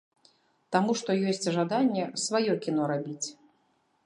Таму што ёсць жаданне сваё кіно рабіць.